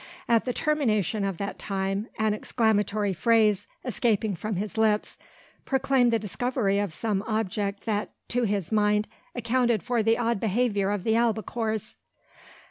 At the termination of that time, an exclamatory phrase, escaping from his lips, proclaimed the discovery of some object that, to his mind, accounted for the odd behaviour of the albacores.